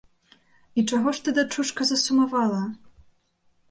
І чаго ж ты, дачушка, засумавала?